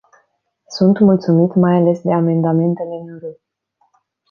Sunt mulțumit, mai ales, de amendamentele nr.